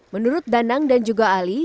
menurut danang dan juga ali